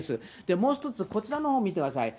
もう一つこちらのほうを見てください。